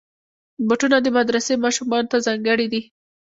بوټونه د مدرسې ماشومانو ته ځانګړي دي.